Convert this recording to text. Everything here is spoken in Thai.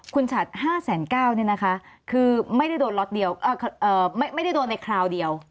คุณฉัด๕๙๐๐เนี่ยนะคะคือไม่ได้โดนล็อตเดียวไม่ได้โดนในคราวเดียว